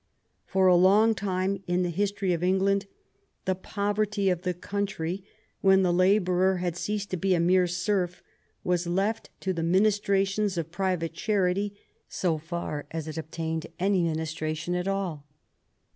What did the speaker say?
For a long time in the history of England the poverty of the country, when the laborer had ceased to be a mere serf, was left to the ministra tion of private charity, so far as it obtained any minis tration at all.